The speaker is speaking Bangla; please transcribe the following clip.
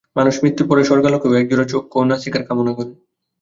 মানুষ মৃত্যুর পরে স্বর্গলোকেও একজোড়া চক্ষু ও নাসিকার কামনা করে।